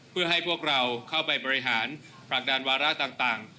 เพื่อให้พวกเราเข้าไปบริหารผลักดันวาระต่าง